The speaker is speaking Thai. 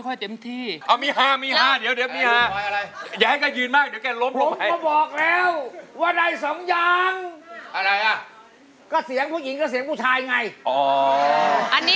ก็เสียงผู้หญิงแล้วเสียงผู้ชายไง